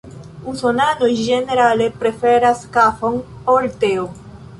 Usonanoj ĝenerale preferas kafon ol teo.